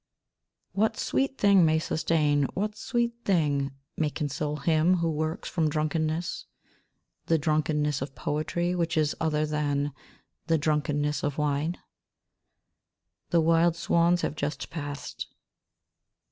What sweet thing may sustain, what sweet thing may console him who wakes from drunkenness ?... the drunkenness of poetry, which is other than the drunkenness of wine ?... The wild swans have just passed.